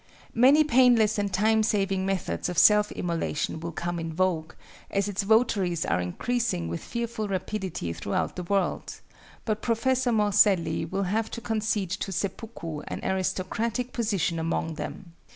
Many painless and time saving methods of self immolation will come in vogue, as its votaries are increasing with fearful rapidity throughout the world; but Professor Morselli will have to concede to seppuku an aristocratic position among them.